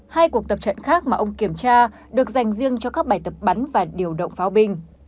hai cuộc tập trận khác mà ông kiểm tra được dành riêng cho các bài tập bắn và điều động pháo binh